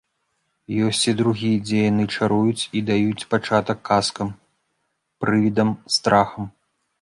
Ёсць і другі, дзе яны чаруюць і даюць пачатак казкам, прывідам, страхам.